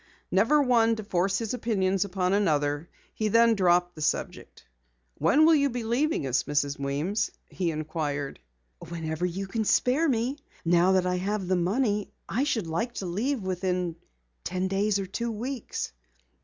Never one to force his opinions upon another, he then dropped the subject. "When will you be leaving us, Mrs. Weems?" he inquired. "Whenever you can spare me. Now that I have the money, I should like to leave within ten days or two weeks."